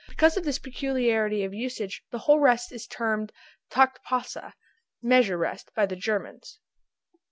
Because of this peculiarity of usage the whole rest is termed Takt pausa (measure rest) by the Germans.